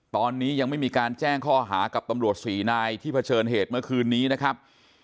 ตอนนี้ยังไม่มีการแจ้งข้อหากับตำรวจสี่นายที่เผชิญเหตุเมื่อคืนนี้นะครับ